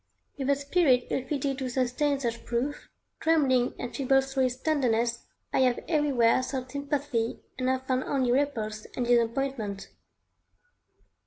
With a spirit ill fitted to sustain such proof, trembling and feeble through its tenderness, I have everywhere sought sympathy and have found only repulse and disappointment.